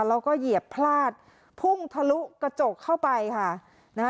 แล้วก็เหยียบพลาดพุ่งทะลุกระจกเข้าไปค่ะนะฮะ